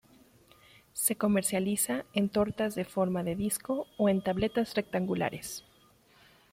Se comercializa en tortas de forma de disco o en tabletas rectangulares.